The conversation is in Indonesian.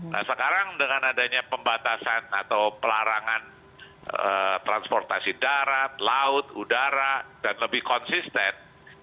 nah sekarang dengan adanya pembatasan atau pelarangan transportasi darat laut udara dan lebih konsisten